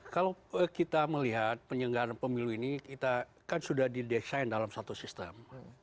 kalau kita melihat penyelenggaraan pemilu ini kita kan sudah didesain dalam satu sistem